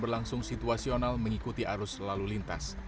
berlangsung situasional mengikuti arus lalu lintas